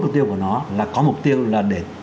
mục tiêu của nó là có mục tiêu là để